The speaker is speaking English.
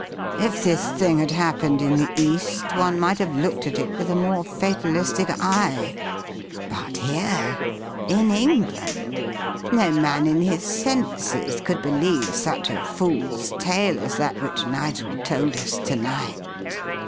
If this thing had happened in the East one might have looked at it with a more fatalistic eye. But here in England, no man in his senses could believe such a fool's tale as that which Nigel told us to night.